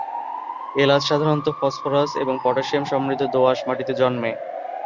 এলাচ সাধারণত ফসফরাস এবং পটাসিয়াম সমৃদ্ধ দোআঁশ মাটিতে জন্মে।